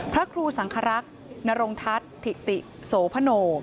พระครูสังครักษ์นรงทัศน์ถิติโสพโน